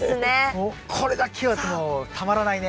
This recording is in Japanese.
もうこれだけはもうたまらないね。